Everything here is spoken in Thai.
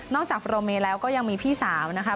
นอกจากโปรเมย์แล้วก็ยังมีพี่สาวนะครับ